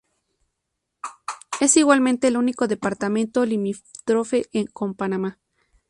Es igualmente el único departamento limítrofe con Panamá.